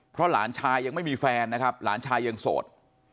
เพราะหลานชายยังไม่มีแฟนนะครับหลานชายยังโสด